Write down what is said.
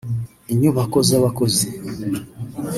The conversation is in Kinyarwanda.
inyubako z’abakozi